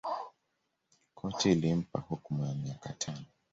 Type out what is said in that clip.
Koti ilimpa hukuma ya miaka tano